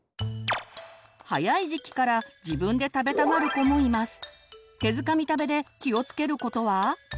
早い時期から自分で食べたがる子もいます。